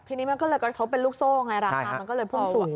ทีนี้มันก็เลยกระทบเป็นลูกโซ่ไงราคามันก็เลยพุ่งสูง